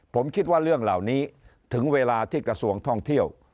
ผมคิดว่าเรื่องเหล่านี้ถึงเวลาที่กระทรวงท่องเที่ยว